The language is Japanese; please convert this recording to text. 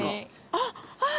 あっあっ！